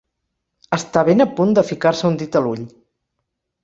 Està ben a punt de ficar-se un dit a l'ull.